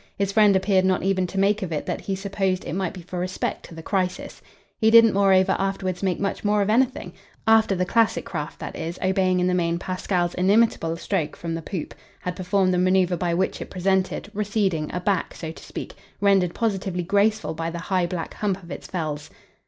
His friend appeared not even to make of it that he supposed it might be for respect to the crisis. He didn't moreover afterwards make much more of anything after the classic craft, that is, obeying in the main Pasquale's inimitable stroke from the poop, had performed the manoeuvre by which it presented, receding, a back, so to speak, rendered positively graceful by the high black hump of its felze.